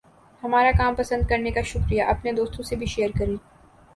ہمارا کام پسند کرنے کا شکریہ! اپنے دوستوں سے بھی شیئر کریں۔